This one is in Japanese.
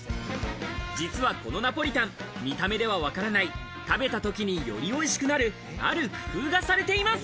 実はこのナポリタン、見た目ではわからない、食べたときに、より美味しくなる、ある工夫がされています。